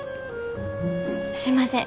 すいません